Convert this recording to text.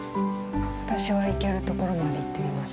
私は行けるところまで行ってみます。